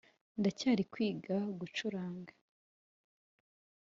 Ndacyari kwiga gucuranga